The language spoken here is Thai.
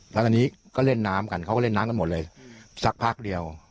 แล้วตอนนี้ก็เล่นน้ำกันเขาก็เล่นน้ำกันหมดเลยสักพักเดียว